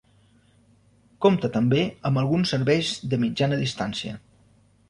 Compta també amb alguns serveis de mitjana distància.